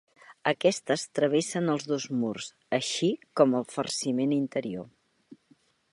Aquestes travessen els dos murs, així com el farciment interior.